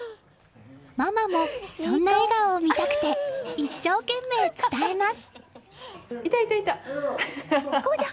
ママもそんな笑顔を見たくて一生懸命伝えます。